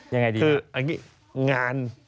ยังไงดีนะ